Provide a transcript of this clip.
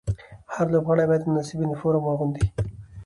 هر لوبغاړی باید مناسب یونیفورم واغوندي.